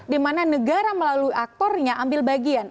dimana negara melalui aktornya ambil bagian